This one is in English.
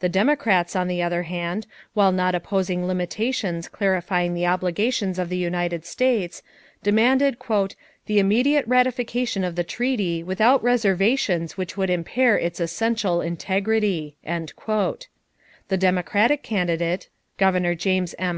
The Democrats, on the other hand, while not opposing limitations clarifying the obligations of the United States, demanded "the immediate ratification of the treaty without reservations which would impair its essential integrity." The Democratic candidate, Governor James M.